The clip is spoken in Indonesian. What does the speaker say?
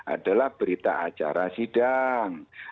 adalah berita acara sidang